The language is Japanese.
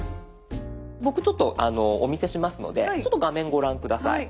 僕ちょっとお見せしますので画面ご覧下さい。